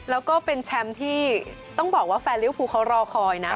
แล้วก็เป็นแชมป์ที่ต้องบอกว่าแฟนลิวภูเขารอคอยนะ